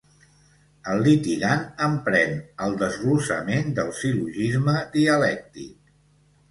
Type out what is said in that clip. El litigant emprèn el desglossament del sil·logisme dialèctic.